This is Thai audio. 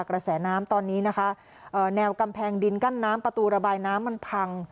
กระแสน้ำตอนนี้นะคะแนวกำแพงดินกั้นน้ำประตูระบายน้ำมันพัง